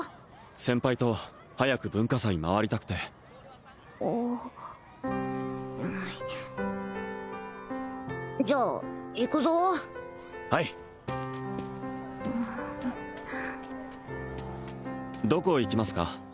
先輩と早く文化祭回りたくてあっじゃあ行くぞはいどこ行きますか？